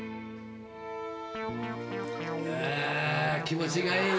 あ気持ちがいいね。